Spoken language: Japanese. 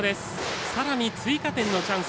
さらに追加点のチャンス